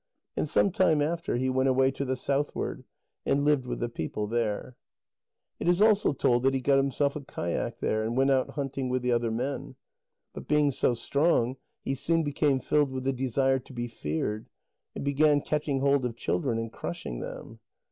And some time after, he went away to the southward, and lived with the people there. It is also told that he got himself a kayak there, and went out hunting with the other men. But being so strong, he soon became filled with the desire to be feared, and began catching hold of children and crushing them.